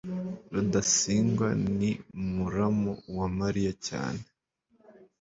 rudasingwa ni muramu wa mariya cyane